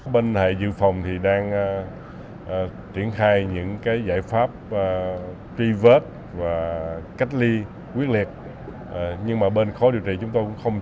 bên hệ dự phòng thì đang triển khai những giải pháp truy vết